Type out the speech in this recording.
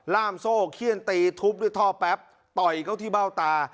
ล่ามโซ่เขี้ยนตีทุบด้วยท่อแป๊บต่อยเขาที่เบ้าตา